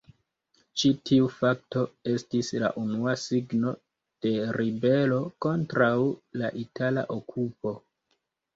Ĉi tiu fakto estis la unua signo de ribelo kontraŭ la itala okupo.